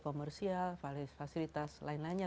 komersial fasilitas lain lainnya